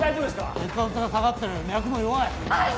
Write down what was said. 血圧が下がってる脈も弱い葉月！